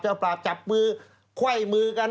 จะปราบจับมือค่อยมือกัน